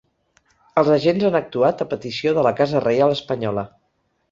Els agents han actuat a petició de la casa reial espanyola.